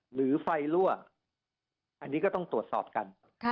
หรือไฟรั่วอันนี้ก็ต้องตรวจสอบกัน